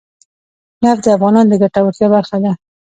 نفت د افغانانو د ګټورتیا برخه ده.